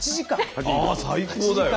あ最高だよ。